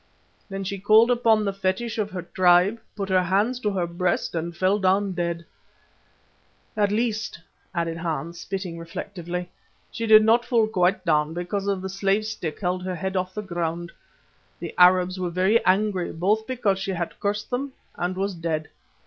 Then she called upon the fetish of her tribe, put her hands to her breast and fell down dead. At least," added Hans, spitting reflectively, "she did not fall quite down because the slave stick held her head off the ground. The Arabs were very angry, both because she had cursed them and was dead.